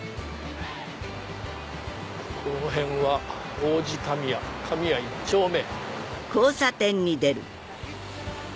この辺は王子神谷神谷１丁目。